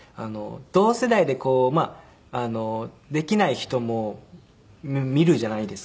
同世代でできない人も見るじゃないですか。